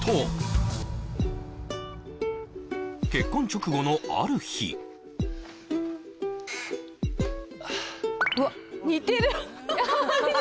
結婚直後のある日うわっ似てる？